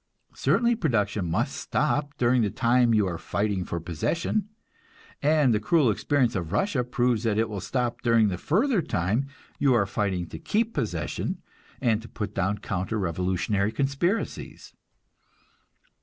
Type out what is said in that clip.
Certainly production must stop during the time you are fighting for possession; and the cruel experience of Russia proves that it will stop during the further time you are fighting to keep possession, and to put down counter revolutionary conspiracies.